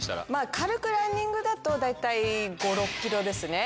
軽くランニングだと大体５６ｋｍですね。